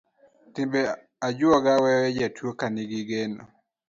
Timbe ajuoga weyo jatuo ka nigi geno.